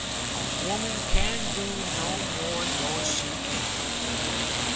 A woman can do no more nor she can."